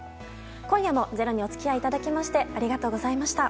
今夜も「ｚｅｒｏ」にお付き合いいただきましてありがとうございました。